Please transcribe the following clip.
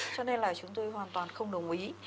cho nên là chúng tôi hoàn toàn không đồng ý